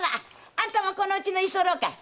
あんたもこの家の居候かい？